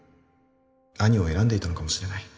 兄を選んでいたのかもしれない